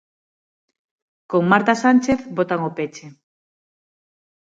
Con Marta Sánchez botan o peche.